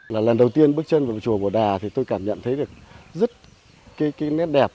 là lần đầu tiên bước chân vào chùa bổ đà thì tôi cảm nhận thấy được rất cái nét đẹp